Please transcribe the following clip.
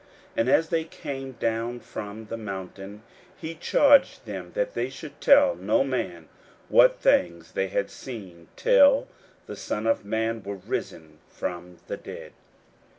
41:009:009 And as they came down from the mountain, he charged them that they should tell no man what things they had seen, till the Son of man were risen from the dead.